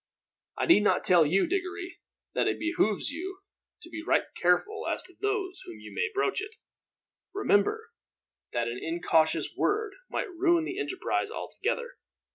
"I need not tell you, Diggory, that it behooves you to be right careful as to those to whom you may broach it. Remember that an incautious word might ruin the enterprise altogether.